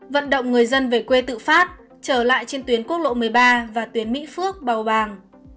vận động người dân về quê tự phát trở lại trên tuyến quốc lộ một mươi ba và tuyến mỹ phước bào bàng